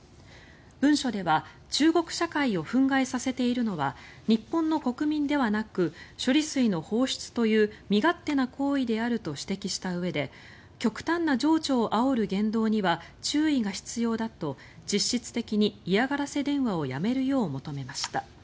文書では中国社会を憤慨させているのは日本の国民ではなく処理水の放出という身勝手な行為であると指摘したうえで極端な情緒をあおる言動には注意が必要だと実質的に嫌がらせ電話をやめるよう求めました。